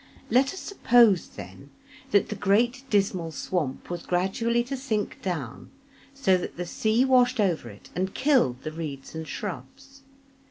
Let us suppose, then, that the great Dismal Swamp was gradually to sink down so that the sea washed over it and killed the reeds and shrubs.